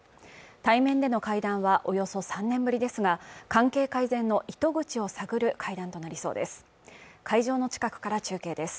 対面での会談はおよそ３年ぶりですが関係改善の糸口を探る会談となりそうです